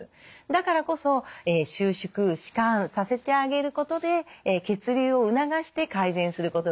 だからこそ収縮弛緩させてあげることで血流を促して改善することができる。